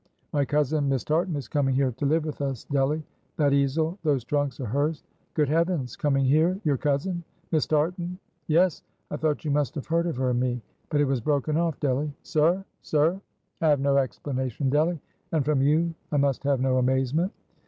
"My cousin Miss Tartan is coming here to live with us, Delly. That easel, those trunks are hers." "Good heavens! coming here? your cousin? Miss Tartan?" "Yes, I thought you must have heard of her and me; but it was broken off; Delly." "Sir? Sir?" "I have no explanation, Delly; and from you, I must have no amazement.